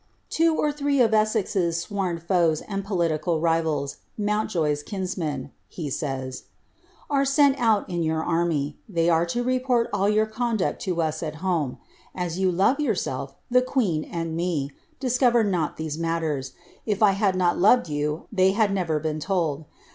^ Two or three of Essex's sworn foes and political rivals, Mountjoye's kinsmen," he says, ^ are sent out in your army. They are to report all your conduct to us at home. As vou love yourself, the queen, and me, discover not these matters : if 1 had not loved you, they had never been told.